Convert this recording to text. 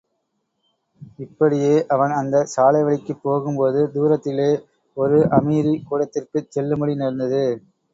இப்படியே அவன் அந்தச் சாலைவழிக்குப் போகும்போது தூரத்திலே ஓர் அமீரி கூடாரத்திற்குச் செல்லும்படி நேர்ந்தது.